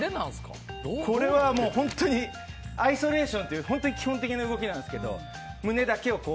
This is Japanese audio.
これは、本当にアイソレーションという基本的な動きなんですけど胸だけを。